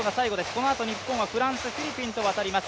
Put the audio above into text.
このあと日本はフランス、フィリピンと渡ります。